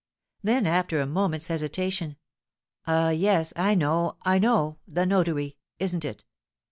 Then, after a moment's hesitation, "Ah, yes, I know, I know, the notary, isn't it?